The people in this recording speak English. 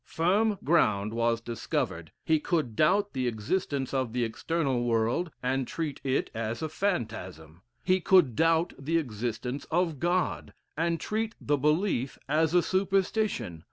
Firm ground was discovered. He could doubt the existence of the external world, and treat it as a phantasm. He could doubt the existence of God, and treat the belief as a superstition.